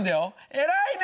偉いね！